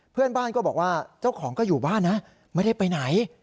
เพื่อนบ้านก็บอกว่าเจ้าของก็อยู่บ้านนะไม่ได้ไปไหน